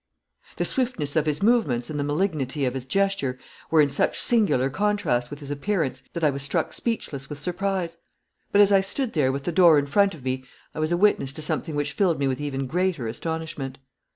The swiftness of his movements and the malignity of his gesture were in such singular contrast with his appearance that I was struck speechless with surprise. But as I stood there with the door in front of me I was a witness to something which filled me with even greater astonishment.